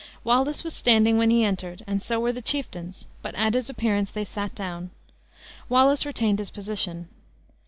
Wallace was standing when he entered, and so were the chieftains, but at his appearance they sat down. Wallace retained his position.